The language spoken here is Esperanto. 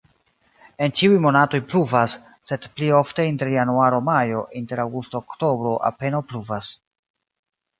En ĉiuj monatoj pluvas, sed pli ofte inter januaro-majo, inter aŭgusto-oktobro apenaŭ pluvas.